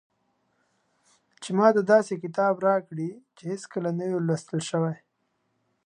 چې ماته داسې کتاب راکړي چې هېڅکله نه وي لوستل شوی.